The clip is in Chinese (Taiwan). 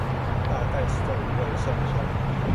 大概是在五萬上下